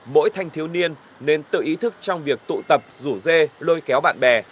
mỗi thanh thiếu niên nên tự ý thức trong việc tụ tập rủ dê lôi kéo bạn bè